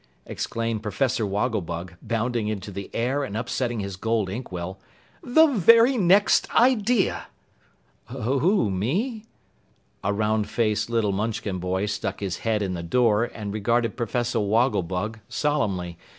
exclaimed Professor Wogglebug, bounding into the air and upsetting his gold inkwell. "The very next idea!" "Who me?" A round faced little Munchkin boy stuck his head in the door and regarded Professor Wogglebug solemnly.